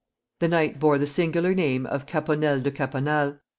The knight bore the singular name of Caponnel de Caponnal.